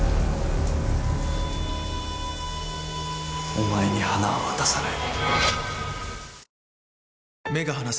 お前に花は渡さない。